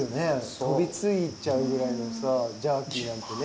飛び付いちゃうぐらいのさジャーキーなんてね。